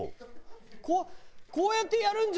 こうこうやってやるんじゃ。